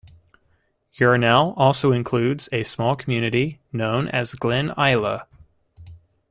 Yarnell also includes a small community known as Glen Ilah.